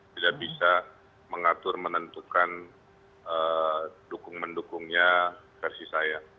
tidak bisa mengatur menentukan dukung mendukungnya versi saya